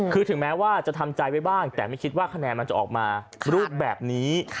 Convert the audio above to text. คือถึงแม้ว่าจะทำใจไว้บ้างแต่ไม่คิดว่าคะแนนมันจะออกมารูปแบบนี้